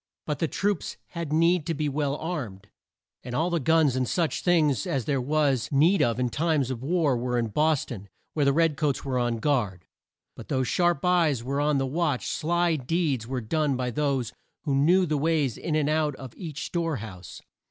But the troops had need to be well armed; and all the guns and such things as there was need of in war times were in Bos ton, where the red coats were on guard. But though sharp eyes were on the watch, sly deeds were done by those who knew the ways in and out of each store house.